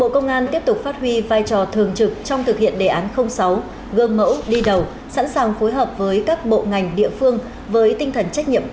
các bạn hãy đăng ký kênh để ủng hộ kênh của chúng mình nhé